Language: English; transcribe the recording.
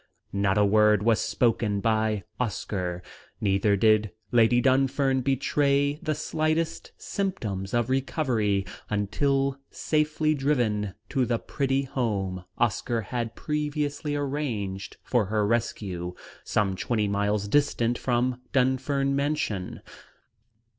Not a word was spoken by Oscar, neither did Lady Dunfern betray the slightest symptoms of recovery until safely driven to the pretty home Oscar had previously arranged for her rescue, some twenty miles distant from Dunfern Mansion.